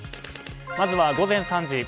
まずは午前３時。